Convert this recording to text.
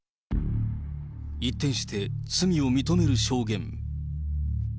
一転して、罪を認める証言。